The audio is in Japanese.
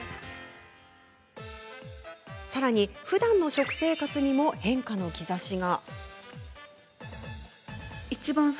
さらに、ふだんの食生活にも変化の兆しが。